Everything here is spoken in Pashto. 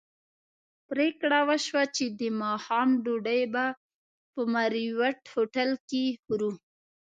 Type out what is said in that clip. پرېکړه وشوه چې د ماښام ډوډۍ به په مریوټ هوټل کې خورو.